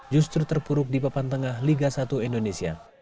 justru terpuruk di papan tengah liga satu indonesia